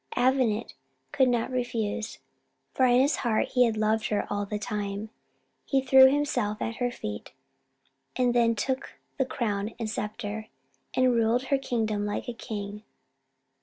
Avenant could not refuse; for in his heart he had loved her all the time. He threw himself at her feet, and then took the crown and sceptre, and ruled her kingdom like a king.